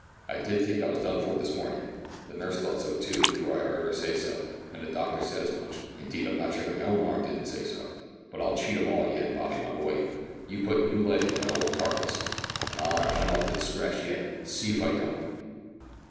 I did think I was done for this mornin'. The nurse thought so too, for I 'eerd her say so; an' the doctor said as much. Indeed I'm not sure that my own 'art didn't say so but I'll cheat 'em all yet, Bobby, my boy. You've put new life into my old carcase, an' I'll come up to the scratch yet see if I don't."